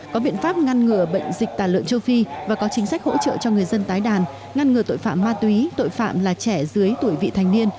có biện pháp ngăn ngừa bệnh dịch tàn lợn châu phi và có chính sách hỗ trợ cho người dân tái đàn ngăn ngừa tội phạm ma túy tội phạm là trẻ dưới tuổi vị thành niên